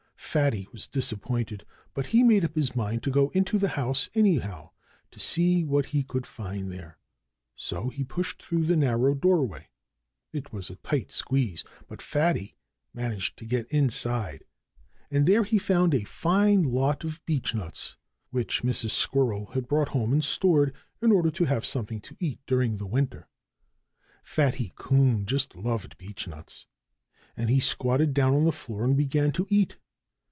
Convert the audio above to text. Fatty was disappointed. But he made up his mind to go into the house anyhow, to see what he could find there. So he pushed through the narrow doorway. It was a tight squeeze; but Fatty managed to get inside. And there he found a fine lot of beechnuts, which Mrs. Squirrel had brought home and stored, in order to have something to eat during the winter. Fatty Coon just loved beechnuts. And he squatted down on the floor and began to eat.